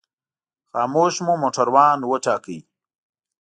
خاموش مو موټروان وټاکه.